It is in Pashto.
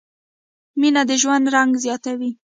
مینه د ژوند رنګ زیاتوي.